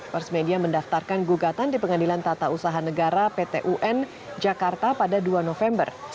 first media mendaftarkan gugatan di pengadilan tata usaha negara pt un jakarta pada dua november